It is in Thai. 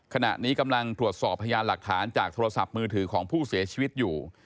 ขณะนี้กำลังตรวจสอบพยานหลักฐานจากโทรศัพท์มือถือของผู้เสียชีวิตอยู่